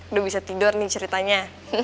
udah bisa tidur nih ceritanya